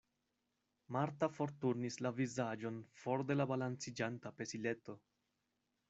Marta forturnis la vizaĝon for de la balanciĝanta pesileto.